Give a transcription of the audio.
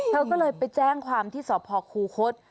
เธอก็เลยไปแจ้งความที่สพคูคศ